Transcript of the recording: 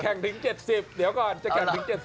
แข่งถึง๗๐เดี๋ยวก่อนจะแข่งถึง๗๐ให้ดู